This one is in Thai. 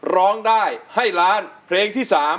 ร้องได้ให้ล้านเพลงที่๓